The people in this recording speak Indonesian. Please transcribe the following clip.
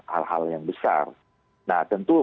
hal hal yang besar nah tentu